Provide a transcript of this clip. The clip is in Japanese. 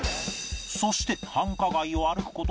そして繁華街を歩く事８分